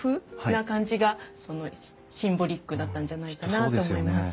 な感じがシンボリックだったんじゃないかなと思います。